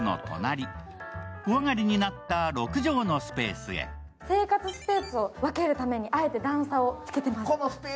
小上がりになった６畳のスペースへ生活スペースを分けるためにあえて段差をつけています。